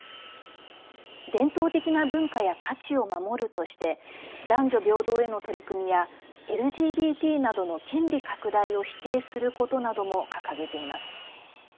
伝統的な文化や価値を守るとして男女平等への取り組みやＬＧＢＴなどの権利拡大を否定することなども掲げています。